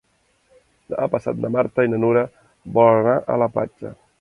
Demà passat na Marta i na Nura volen anar a la platja.